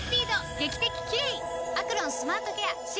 劇的キレイ！